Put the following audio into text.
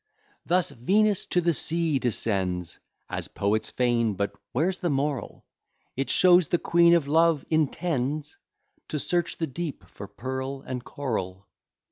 Thus Venus to the sea descends, As poets feign; but where's the moral? It shows the Queen of Love intends To search the deep for pearl and coral.